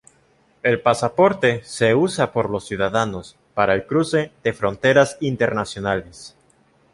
El pasaporte se usa por los ciudadanos para el cruce de fronteras internacionales.